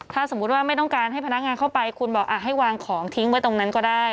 ถ้าสมมุติว่าไม่ต้องการให้พนักงานเข้าไปคุณบอกให้วางของทิ้งไว้ตรงนั้นก็ได้